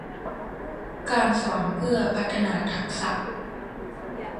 การสอนเพื่อพัฒนาทักษะ